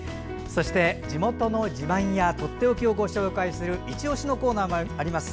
そして地元の自慢やとっておきをご紹介するいちオシのコーナーもあります。